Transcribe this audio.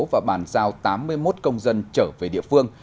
và bàn giao tám mươi một công dân trở về địa phương